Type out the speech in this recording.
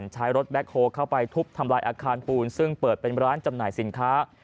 ใช้รถแบ็คโฮลเข้าไปทุบทำลายอาคารปูนซึ่งเปิดเป็นร้านจำหน่ายสินค้า